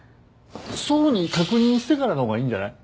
想に確認してからの方がいいんじゃない？